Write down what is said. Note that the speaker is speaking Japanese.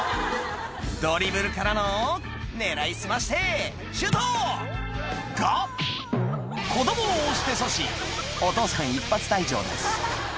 ドリブルからの狙い澄ましてシュート！が子供を押して阻止お父さん一発退場です